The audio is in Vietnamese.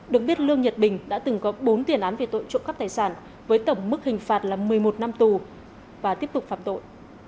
được biết lương nhật bình đã từng có bốn tiền án về tội trộm cắp tài sản với tổng mức hình phạt là một mươi một năm tù và tiếp tục phạm tội